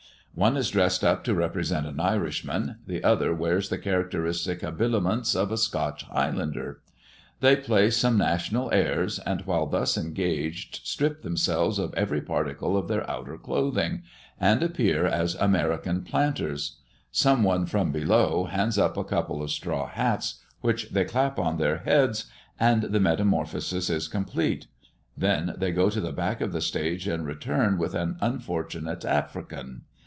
One is dressed up to represent an Irishman; the other wears the characteristic habiliments of a Scotch Highlander. They play some national airs, and while thus engaged strip themselves of every particle of their outer clothing, and appear as American planters. Some one from below, hands up a couple of straw hats, which they clap on their heads, and the metamorphosis is complete. They then go to the back of the stage and return with an unfortunate "African."